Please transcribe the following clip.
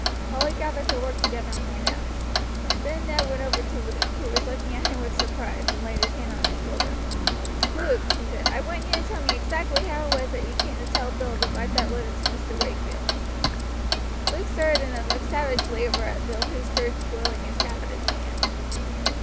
Polly gathered her work together and went out. Then Ned went over to Luke, who was looking at him with surprise, and laid his hand on his shoulder. "Luke," he said, "I want you to tell me exactly how it was that you came to tell Bill to write that letter to Mr. Wakefield?" Luke started and then looked savagely over at Bill, who stood twirling his cap in his hand.